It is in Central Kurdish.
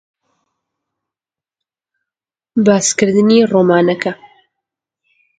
چ چەشنە گۆرانییەک لەم ڕۆژانە بەناوبانگە؟